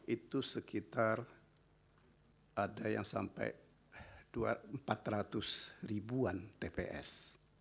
itu sekitar ada yang sampai empat ratus ribuan tps